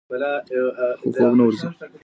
خو خوب نه ورځي.